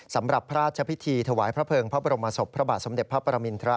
สำหรับพระราชพิธีถวายพระเภิงพระบรมศพพระบาทสมเด็จพระปรมินทร